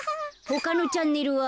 ほかのチャンネルは？